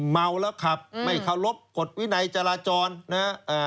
เมาแล้วขับไม่เคารพกฎวินัยจราจรนะฮะ